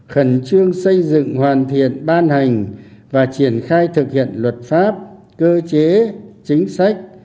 khẩn trương xây dựng hoàn thiện ban hành và triển khai thực hiện luật pháp cơ chế chính sách